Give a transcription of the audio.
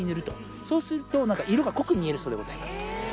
そうするとなんか色が濃く見えるそうでございます。